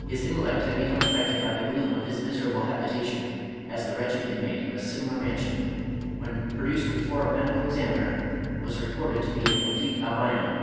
His intellect had become affected by the gloom of his miserable habitation, as the wretched inmate of a similar mansion, when produced before a medical ex aminer, was reported to be a complete Albino.